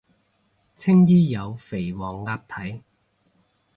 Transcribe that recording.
青衣有肥黃鴨睇